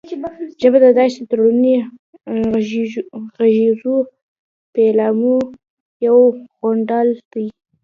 ژبه د داسې تړوني غږیزو پيلامو یو غونډال دی